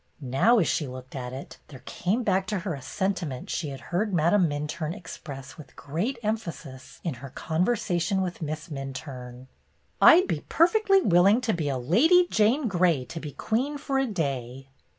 Now, as she looked at it, there came back to her a sentiment she had heard Madame Minturne express with great emphasis in her conversation with Miss Minturne: "I M be perfectly willing to be a Lady Jane Grey to be queen for a day.